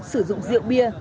sử dụng rượu bia